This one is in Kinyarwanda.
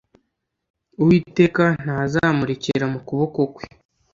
Uwiteka ntazamurekera mu kuboko kwe